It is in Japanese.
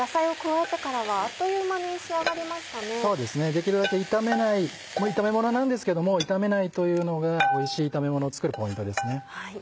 できるだけ炒めない炒めものなんですけども炒めないというのがおいしい炒めものを作るポイントです。